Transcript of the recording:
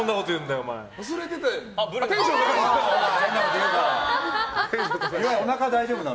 おなか大丈夫なの？